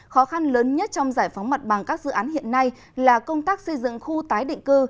khó khăn lớn nhất trong giải phóng mặt bằng các dự án hiện nay là công tác xây dựng khu tái định cư